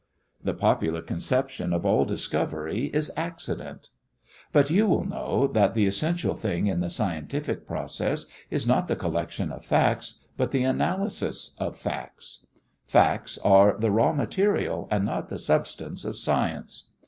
The popular conception of all discovery is accident. But you will know that the essential thing in the scientific process is not the collection of facts, but the analysis of facts. Facts are the raw material and not the substance of science.